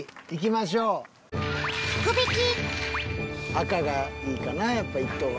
赤がいいかなやっぱ１等は。